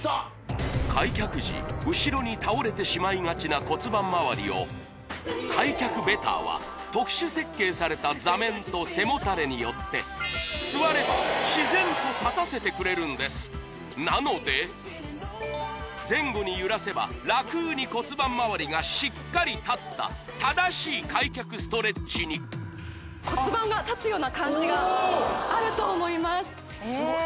開脚時後ろに倒れてしまいがちな骨盤周りを開脚ベターは特殊設計された座面と背もたれによって座れば自然と立たせてくれるんですなので前後に揺らせばラクに骨盤周りがしっかり立った正しい開脚ストレッチに骨盤が立つような感じがあると思います